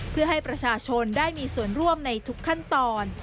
เพื่อให้ประชาชนได้มีส่วนร่วมในทุกขั้นตอน